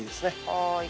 はい。